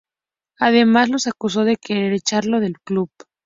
Además, los acusó de querer "echarlo" del club.